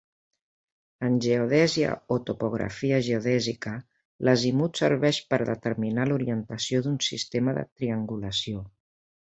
En geodèsia o topografia geodèsica l'azimut serveix per a determinar l'orientació d'un sistema de triangulació.